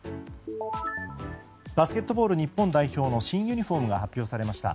バスケットボール日本代表の新ユニホームが発表されました。